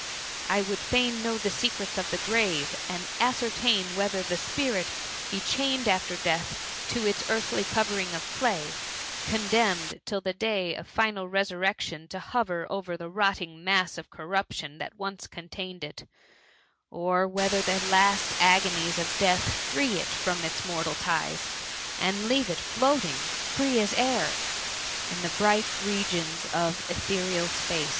I would fain know the secrets of the grave, and ascer tain whether the spirit be chained after death to its earthly covering of clay, condemned till the day of final resurrection to hover over the rotting mass of corruption that once con* tained it ; or whether the last agonies of death free it from its mortal ties, and leave it float*^ ing, free as air, in the bright regions of ethereal space